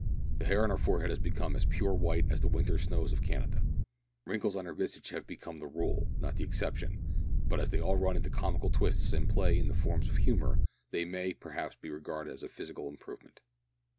The hair on her forehead has become as pure white as the winter snows of Canada. Wrinkles on her visage have become the rule, not the exception, but as they all run into comical twists, and play in the forms of humour, they may, perhaps, be regarded as a physical improvement.